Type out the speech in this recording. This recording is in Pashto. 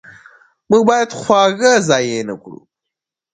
موږ باید خواړه ضایع نه کړو.